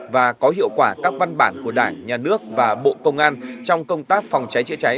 và có hiệu quả các văn bản của đảng nhà nước và bộ công an trong công tác phòng cháy chữa cháy